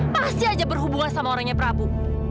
pasti aja berhubungan sama orangnya prabu